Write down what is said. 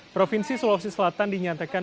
provinsi sulawesi selatan dinyatakan